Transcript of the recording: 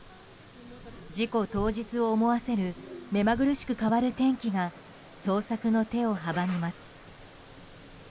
事故当日を思わせる目まぐるしく変わる天気が捜索の手を阻みます。